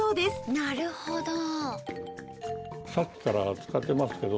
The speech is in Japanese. なるほど。